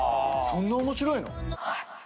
そんな面白いの？